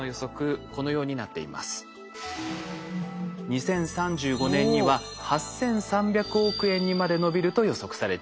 ２０３５年には８，３００億円にまで伸びると予測されています。